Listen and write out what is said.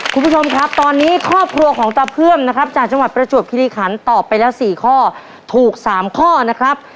คุณผู้ชมครับตอนนี้ครอบครัวของตาเพื่อมนะครับจากจังหวัดประจวบคิริขันตอบไปแล้ว๔ข้อถูก๓ข้อนะครับ